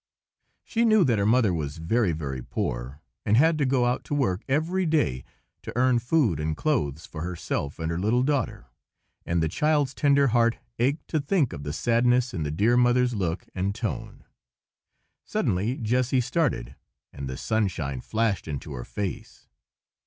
She knew that her mother was very, very poor, and had to go out to work every day to earn food and clothes for herself and her little daughter; and the child's tender heart ached to think of the sadness in the dear mother's look and tone. Suddenly Jessy started, and the sunshine flashed into her face.